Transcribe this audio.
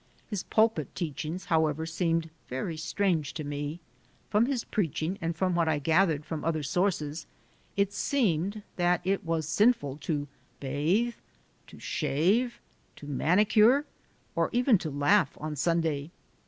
His pulpit teachings, however, seemed very strange to me. From his preaching and from what I gathered from other sources it seemed that it was sinful to bathe, to shave, to manicure, or even to laugh on Sunday.